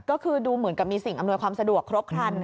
ก็คือดูเหมือนกับมีสิ่งอำนวยความสะดวกครบครัน